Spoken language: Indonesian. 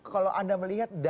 kalau anda melihat